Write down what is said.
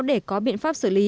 để có biện pháp xử lý